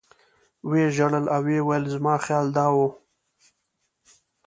و یې ژړل او ویې ویل زما خیال دا و.